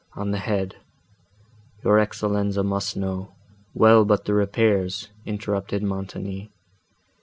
on the head. Your Excellenza must know—" "Well, but the repairs," interrupted Montoni.